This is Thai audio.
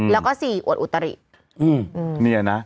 แล้วก็๔อวดอุตริ